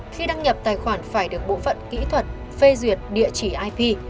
khi đăng nhập tài khoản phải được bộ phận kỹ thuật phê duyệt địa chỉ ip